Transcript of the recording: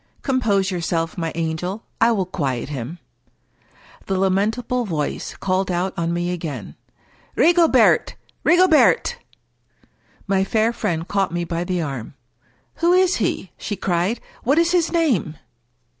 " Compose yourself, my angel. I will quiet him." The lamentable voice called out on me again, " Rigo bert I Rigobert !" My fair friend caught me by the arm. " Who is he ?" she cried. " What is his name